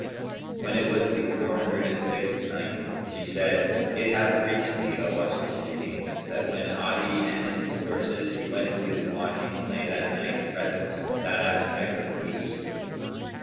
When it was the Four Hundred and Sixth Night, She said, It hath reached me, O auspicious King, that when Adi ended his verses he went to his lodging and lay that night restless and without appetite for the food of sleep.